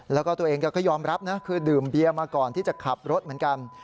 แล้วก็ตัวเองก็ยอมรับนะคือดื่มเบียมาก่อนที่จะขับรถเหมือนกัน